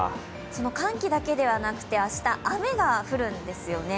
その寒気だけではなくて明日、雨が降るんですよね。